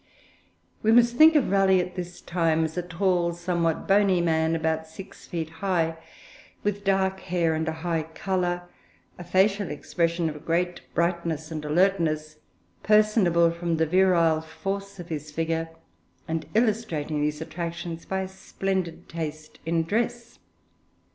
We must think of Raleigh at this time as a tall, somewhat bony man, about six feet high, with dark hair and a high colour, a facial expression of great brightness and alertness, personable from the virile force of his figure, and illustrating these attractions by a splendid taste in dress.